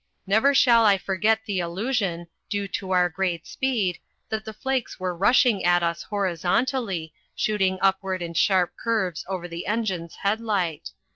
Never shall I forget the illusion, due to our great speed, that the flakes were rushing at us horizontally, shooting upward in sharp curves over the engine's headlight.